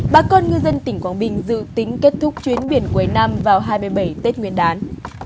bà con ngư dân tỉnh quảng bình dự tính kết thúc chuyến biển cuối năm vào hai mươi bảy tết nguyên đán